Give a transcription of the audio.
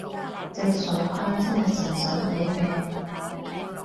隻傻閪真係神神地嘅！